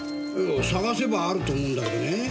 探せばあると思うんだけどね。